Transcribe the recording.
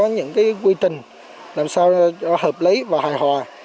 nó quy trình làm sao nó hợp lấy và hài hòa